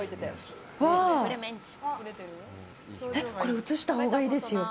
これ映したほうがいいですよ。